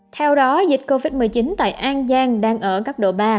theo đó dịch covid một mươi chín tại an giang đang ở cấp độ ba